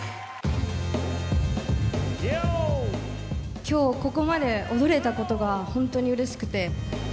きょう、ここまで踊れたことが本当にうれしくて。